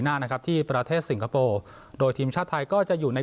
หน้านะครับที่ประเทศสิงคโปร์โดยทีมชาติไทยก็จะอยู่ใน